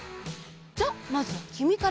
じゃあまずはきみから！